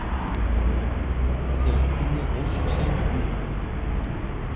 C'est le premier gros succès du duo.